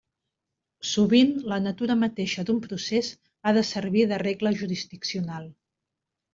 Sovint la natura mateixa d'un procés ha de servir de regla jurisdiccional.